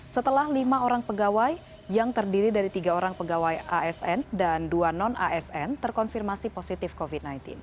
setelah lima orang pegawai yang terdiri dari tiga orang pegawai asn dan dua non asn terkonfirmasi positif covid sembilan belas